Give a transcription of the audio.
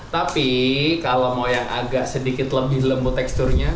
tapi kalau mau yang agak sedikit lebih lembut teksturnya